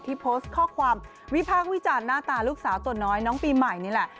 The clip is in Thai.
โพสต์ข้อความวิพากษ์วิจารณ์หน้าตาลูกสาวตัวน้อยน้องปีใหม่นี่แหละ